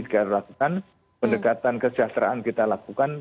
dikadangkan pendekatan kesejahteraan kita lakukan